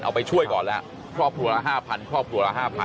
เอาไปช่วยก่อนแล้วครอบครัวละ๕๐๐ครอบครัวละ๕๐๐